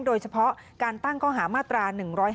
โดยเฉพาะการตั้งข้อหามาตรา๑๕